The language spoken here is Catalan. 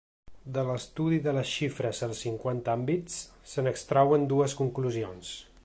De l’estudi de les xifres als cinquanta àmbits, se n’extrauen dues conclusions.